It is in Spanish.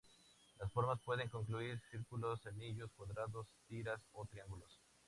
Las formas pueden incluir círculos, anillos, cuadrados, tiras o triángulos.